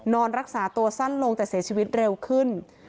นอนรักษาตัวสั้นลงแต่เสียชีวิตเร็วขึ้น